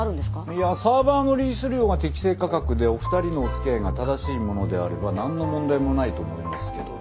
いやサーバーのリース料が適正価格でお二人のおつきあいが正しいものであれば何の問題もないと思いますけどね。